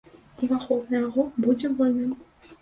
Уваход на яго будзе вольным.